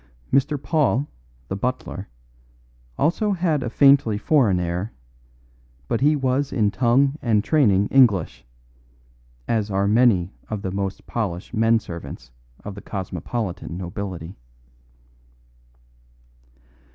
Mr. Paul, the butler, also had a faintly foreign air, but he was in tongue and training English, as are many of the most polished men servants of the cosmopolitan nobility.